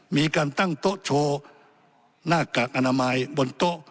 มีการตั้งโต๊ะโชว์หน้ากากอนามัยบนโต๊ะ